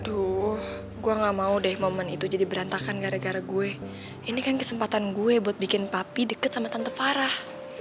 aduh gue gak mau deh momen itu jadi berantakan gara gara gue ini kan kesempatan gue buat bikin papi dekat sama tante farah